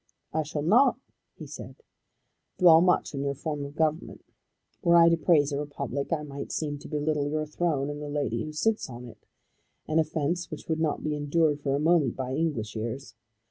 "I shall not," he said, "dwell much on your form of government. Were I to praise a republic I might seem to belittle your throne and the lady who sits on it, an offence which would not be endured for a moment by English ears.